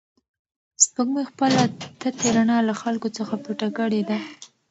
سپوږمۍ خپله تتې رڼا له خلکو څخه پټه کړې ده.